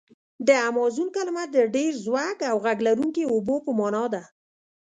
د امازون کلمه د ډېر زوږ او غږ لرونکي اوبو په معنا ده.